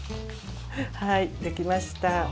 はいできました。